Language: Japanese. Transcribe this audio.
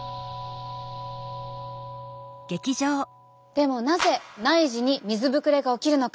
でもなぜ内耳に水ぶくれが起きるのか。